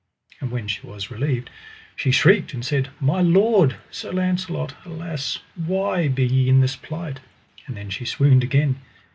And when she was relieved, she shrieked and said: My lord, Sir Launcelot, alas why be ye in this plight? and then she swooned again.